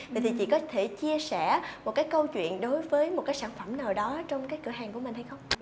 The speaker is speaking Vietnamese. vậy thì chị có thể chia sẻ một cái câu chuyện đối với một cái sản phẩm nào đó trong cái cửa hàng của mình hay không